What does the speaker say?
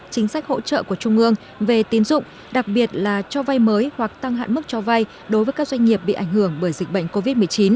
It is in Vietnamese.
chính sách hỗ trợ của trung ương về tín dụng đặc biệt là cho vay mới hoặc tăng hạn mức cho vay đối với các doanh nghiệp bị ảnh hưởng bởi dịch bệnh covid một mươi chín